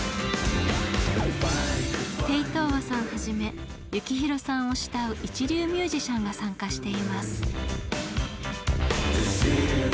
テイ・トウワさんはじめ幸宏さんを慕う一流ミュージシャンが参加しています。